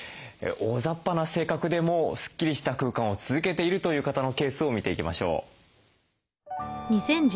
大ざっぱな性格でもスッキリした空間を続けているという方のケースを見ていきましょう。